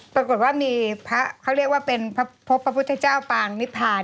ปรากฏว่ามีพระเขาเรียกว่าเป็นพบพระพุทธเจ้าปางนิพาน